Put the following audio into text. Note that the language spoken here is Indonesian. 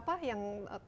pemerintah pak mbak mbak